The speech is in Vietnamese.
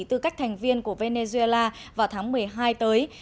tư cách thành viên của venezuela vào tháng một mươi hai tới